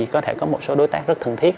có thể có một số đối tác rất cần thiết